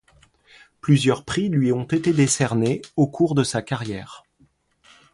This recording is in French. Plusieurs prix lui ont été décernés au cours de sa carrière.